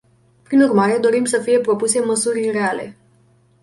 Prin urmare, dorim să fie propuse măsuri reale.